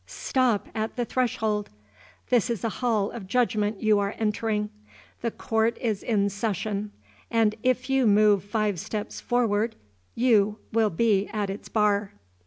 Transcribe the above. Stop at the threshold! This is a hall of judgment you are entering; the court is in session; and if you move five steps forward, you will be at its bar.